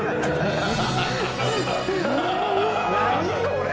何これ？